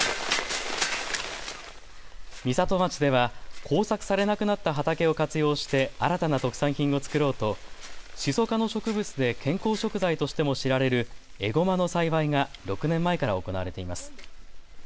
美里町では耕作されなくなった畑を活用して新たな特産品を作ろうとシソ科の植物で健康食材としても知られるエゴマの栽培が６年前から行われています。